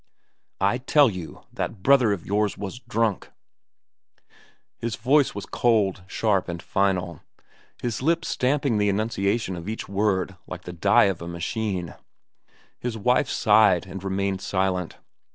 "I tell you that precious brother of yours was drunk." His voice was cold, sharp, and final, his lips stamping the enunciation of each word like the die of a machine. His wife sighed and remained silent.